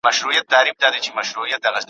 د غوايی چي به یې ږغ وو اورېدلی ,